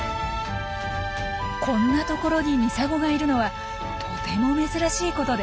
こんな所にミサゴがいるのはとても珍しいことです。